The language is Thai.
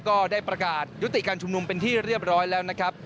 ก็ได้ประกาศยุติการชุมนุมเป็นที่เรียบร้อยแล้วนะครับ